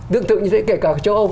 tương tự như vậy kể cả châu âu